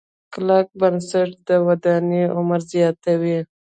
کلک بنسټ د ودانۍ عمر زیاتوي.